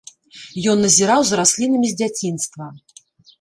Ён назіраў за раслінамі з дзяцінства.